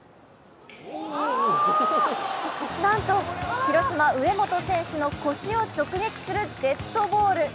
なんと広島・上本選手の腰を直撃するデッドボール。